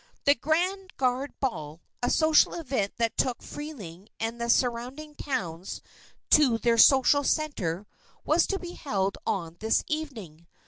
The Grand Guard Ball, a social event that shook Freeling and the surrounding towns to their social centre, was to be held on this evening.